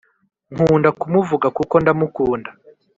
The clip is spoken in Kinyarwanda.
Nkunda kumuvuga kuko ndamukunda